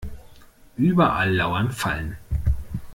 Überall lauern Fallen.